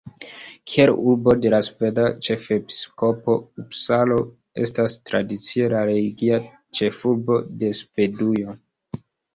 Kiel urbo de la sveda ĉefepiskopo, Upsalo estas tradicie la religia ĉefurbo de Svedujo.